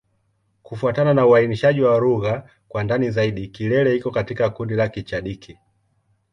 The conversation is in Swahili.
Kufuatana na uainishaji wa lugha kwa ndani zaidi, Kilele iko katika kundi la Kichadiki.